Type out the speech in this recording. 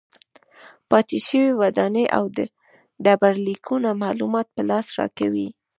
پاتې شوې ودانۍ او ډبرلیکونه معلومات په لاس راکوي.